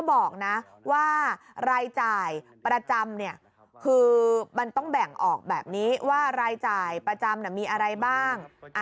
บอกนะว่ารายจ่ายประจำเนี่ยคือมันต้องแบ่งออกแบบนี้ว่ารายจ่ายประจำมีอะไรบ้าง